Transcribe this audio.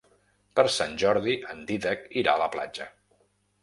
Per Sant Jordi en Dídac irà a la platja.